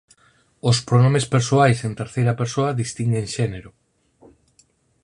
Os pronomes persoais en terceira persoa distinguen xénero.